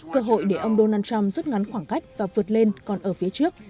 cơ hội để ông donald trump rút ngắn khoảng cách và vượt lên còn ở phía trước